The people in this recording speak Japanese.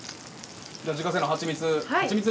じゃ自家製のハチミツ。